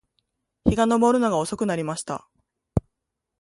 日が登るのが遅くなりました